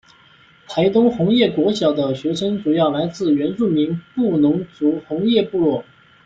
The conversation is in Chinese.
台东红叶国小的学生主要来自原住民布农族红叶部落。